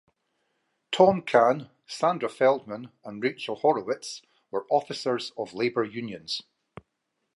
Tom Kahn, Sandra Feldman, and Rachelle Horowitz were officers of labor unions.